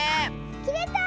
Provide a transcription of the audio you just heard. きれた！